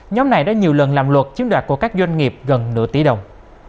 nhóm này đã nhiều lần làm luật chiếm đoạt của các doanh nghiệp gần nửa tỷ đồng